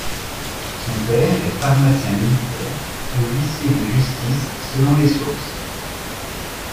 Son père est pharmacien militaire ou huissier de justice selon les sources.